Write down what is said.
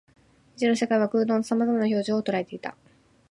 未知の世界は空洞の様々な表情を捉えていた